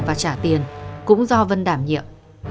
và trả tiền cũng do vân đảm nhiệm